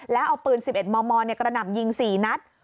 แล้วเอาปืน๑๑มมกระหน่ำยิง๔นัด